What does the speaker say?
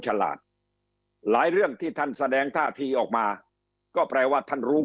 ฉลาดหลายเรื่องที่ท่านแสดงท่าทีออกมาก็แปลว่าท่านรู้